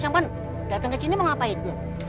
siapa datang ke sini pak